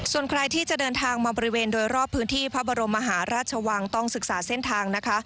ส่วนใครที่จะเดินทางมาบริเวณโดยรอบพื้นที่พระบรมมหาราชวังต้องศึกษาเส้นทางนะคะ